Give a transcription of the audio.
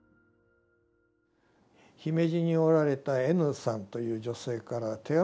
姫路におられたＮさんという女性から手紙が来た。